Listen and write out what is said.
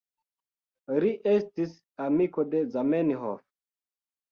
Li estis amiko de Zamenhof.